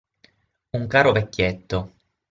Un caro vecchietto.